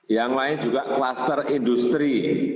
yang lain juga kluster industri